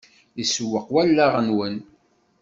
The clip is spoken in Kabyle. Isewweq wallaɣ-nwen.